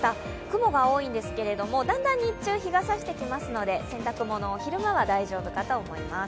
雲が多いんですけれども、だんだん日中、日が差してくるので洗濯物、昼間は大丈夫かと思います